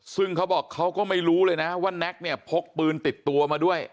ซึ่งเขาบอกเขาก็ไม่รู้เลยนะว่าแน็กเนี่ยพกปืนติดตัวมาด้วย